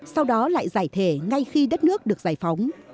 sau đó lại giải thể ngay khi đất nước được giải phóng